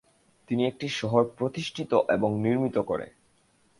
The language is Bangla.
তিনি একটি শহর প্রতিষ্ঠিত এবং নির্মিত করে।